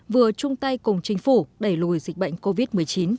vừa chung tay cùng chính phủ đẩy lùi dịch bệnh covid một mươi chín